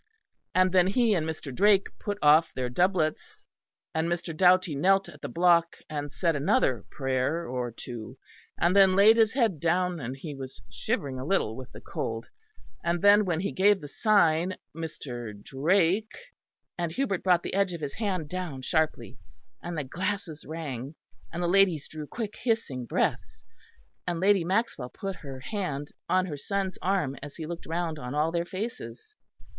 And then he and Mr. Drake put off their doublets, and Mr. Doughty knelt at the block, and said another prayer or two, and then laid his head down, and he was shivering a little with cold, and then, when he gave the sign, Mr. Drake " and Hubert brought the edge of his hand down sharply, and the glasses rang, and the ladies drew quick hissing breaths; and Lady Maxwell put her hand on her son's arm, as he looked round on all their faces.